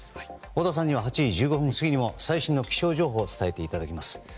太田さんには８時１５分過ぎにも最新の気象情報を伝えていただきます。